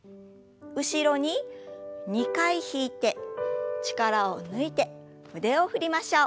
後ろに２回引いて力を抜いて腕を振りましょう。